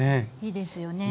いいですよね。